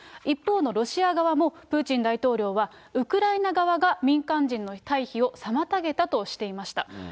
一方のロシア側も、プーチン大統領はウクライナ側が民間人の退避を妨げたとしていました。